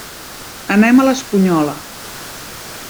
Anem a l'Espunyola.